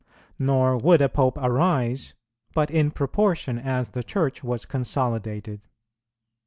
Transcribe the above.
Nor would a Pope arise, but in proportion as the Church was consolidated.